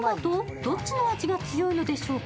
どっちの味が強いのでしょうか。